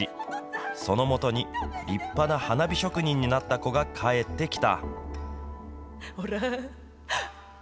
そのもとに立派な花火職人になった子が帰ってきた。